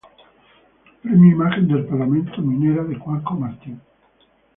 Premio Imagen del Parlamento: "Minera" de Juanjo Martín.